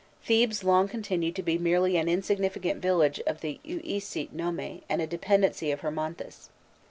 Thebes long continued to be merely an insignificant village of the Uisit nome and a dependency of Hermonthis.